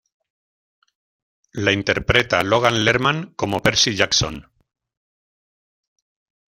La interpreta Logan Lerman como Percy Jackson.